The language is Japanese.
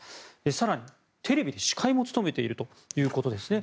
更に、テレビで司会も務めているということですね。